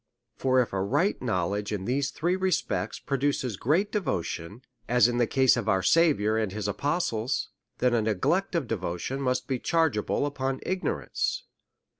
For if a right know ledge in these three respects produces great devotion, as in the case of our Saviour and his apostles, then a. neglect of devotion must be chargeable upon igno rance.